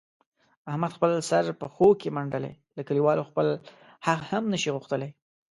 احمد خپل سر پښو کې منډلی، له کلیوالو خپل حق هم نشي اخستلای.